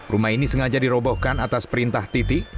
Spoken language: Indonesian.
rumah ini sengaja dirobohkan atas perintah titi